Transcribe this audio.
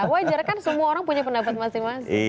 wajar kan semua orang punya pendapat masing masing